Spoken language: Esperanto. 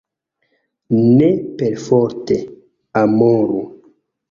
Ne perforte amoru!